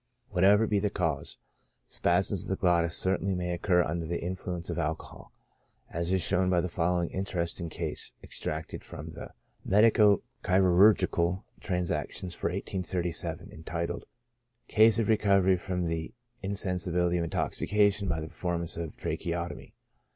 Whatever be its cause, spasm of the glottis certainly may occur under the influence of alcohol, as is shown by the following interesting case, extracted from the " Medico Chirurgical Transactions" for 1837, entitled, " Case of Re covery from the Insensibility of Intoxication by the Per formance of Tracheotomy.